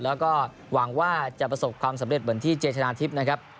แล้วก็หวังว่าจะประสบความสำเร็จเหมือนที่เจชนะทิพย์นะครับ